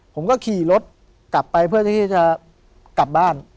ผมก็ขี่รถกลับไปเพื่อที่จะกลับบ้าน